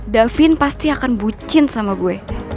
davin pasti akan bucin sama gue